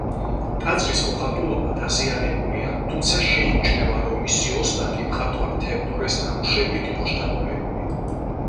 ტაძრის მოხატულობა დაზიანებულია, თუმცა შეიმჩნევა, რომ მისი ოსტატი მხატვარ თევდორეს ნამუშევრით იყო შთაგონებული.